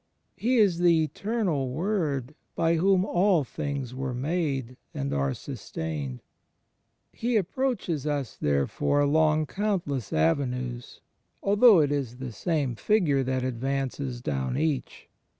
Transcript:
He is the Eternal Word by whom all things were made and are sustained He approaches us therefore along coimtless avenues, although it is the same Figure that advances down each.